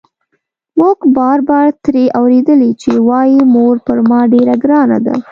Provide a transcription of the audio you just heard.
موږ بار بار ترې اورېدلي چې وايي مور پر ما ډېره ګرانه ده.